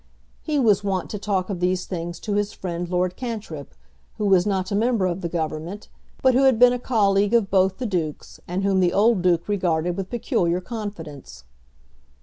He was wont to talk of these things to his friend Lord Cantrip, who was not a member of the Government, but who had been a colleague of both the Dukes, and whom the old Duke regarded with peculiar confidence.